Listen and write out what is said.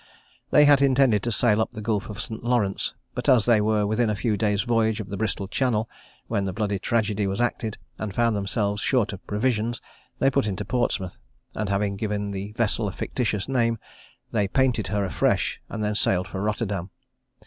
They had intended to sail up the Gulf of St. Lawrence; but as they were within a few days' voyage of the Bristol Channel, when the bloody tragedy was acted, and found themselves short of provisions, they put into Portsmouth; and, giving the vessel a fictitious name, they painted her afresh, and then sailed for Rotterdam.